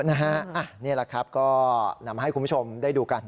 นี่แหละครับก็นำมาให้คุณผู้ชมได้ดูกัน